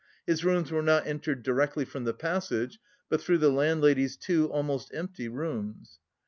His rooms were not entered directly from the passage, but through the landlady's two almost empty rooms.